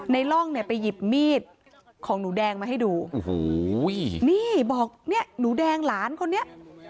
นายล่องไปหยิบมีดของหนูแดงมาให้ดูนี่บอกหนูแดงหลานคนนี้